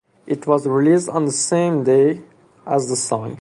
It was released on the same day as the song.